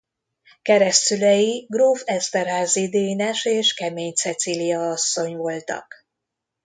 Keresztszülei gróf Esterházy Dénes és Kemény Cecilia asszony voltak.